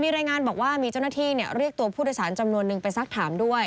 มีรายงานบอกว่ามีเจ้าหน้าที่เรียกตัวผู้โดยสารจำนวนนึงไปสักถามด้วย